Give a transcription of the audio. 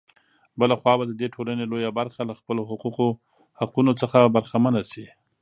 بـله خـوا بـه د دې ټـولـنې لـويه بـرخـه لـه خپـلـو حـقـونـو څـخـه بـرخـمـنـه شـي.